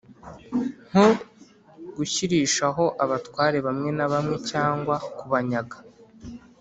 nko gushyirishaho abatware bamwe na bamwe cyangwa kubanyaga.